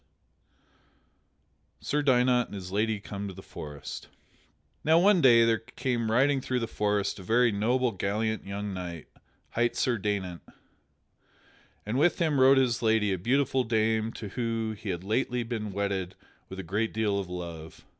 [Sidenote: Sir Daynant and his lady come to the forest] Now one day there came riding through the forest a very noble, gallant young knight, hight Sir Daynant, and with him rode his lady, a beautiful dame to whom he had lately been wedded with a great deal of love.